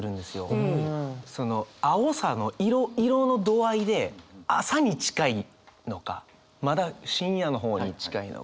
その青さの色色の度合いで朝に近いのかまだ深夜の方に近いのか。